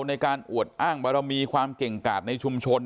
ในการอวดอ้างบารมีความเก่งกาดในชุมชน